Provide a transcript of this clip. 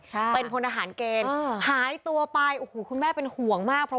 ใช่เป็นพลทหารเกณฑ์หายตัวไปโอ้โหคุณแม่เป็นห่วงมากเพราะ